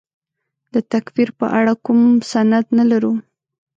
د تکفیر په اړه کوم سند نه لرو.